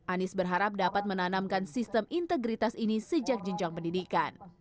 anies berharap dapat menanamkan sistem integritas ini sejak jenjang pendidikan